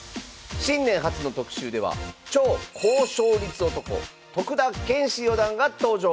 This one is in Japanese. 新年初の特集では超高勝率男徳田拳士四段が登場。